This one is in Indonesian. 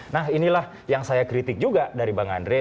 nah inilah yang saya kritik juga dari bang andre